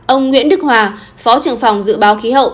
ông nguyễn đức hòa phó trưởng phòng dự báo khí hậu